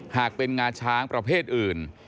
หากเป็นงาช้างประเภทอื่น